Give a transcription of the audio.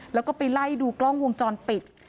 แล้วก็ไปไล่ดูกล้องวงจรปิด